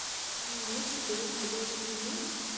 Ɛni yella ccek deg teqbaylit-nwen?